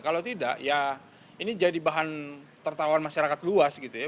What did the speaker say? kalau tidak ya ini jadi bahan tertawan masyarakat luas gitu ya